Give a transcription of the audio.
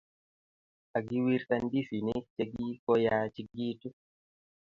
Kagiwirta ndisinik chegikoyachigitu